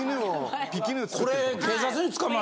これ。